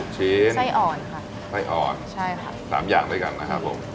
ชิ้นไส้อ่อนค่ะไส้อ่อนใช่ค่ะ๓อย่างด้วยกันนะครับผม